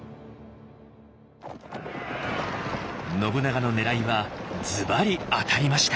信長のねらいはずばり当たりました！